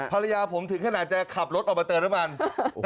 ภรรยาผมถึงขนาดจะขับรถออกมาเติมน้ำมัน